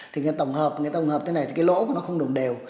thì cái tổng hợp thế này thì cái lỗ của nó không đồng đều